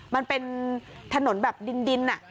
มันเป็นถนนแบบดิน